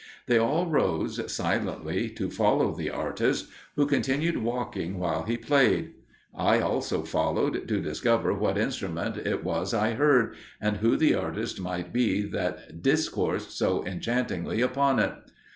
They all rose, silently, to follow the artist, who continued walking while he played. I also followed, to discover what instrument it was I heard, and who the artist might be that discoursed so enchantingly upon it.